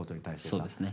そうですね。